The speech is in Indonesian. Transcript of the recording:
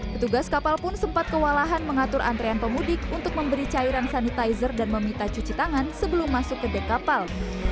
petugas kapal pun sempat kewalahan mengatur antrean pemudik untuk memberi cairan sanitizer dan meminta cuci tangan sebelum masuk ke dek kapal